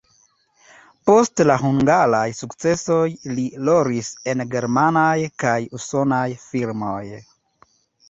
Post la hungaraj sukcesoj li rolis en germanaj kaj usonaj filmoj.